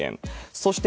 そして、